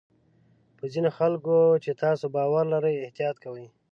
په ځینو خلکو چې تاسو باور لرئ احتیاط کوئ.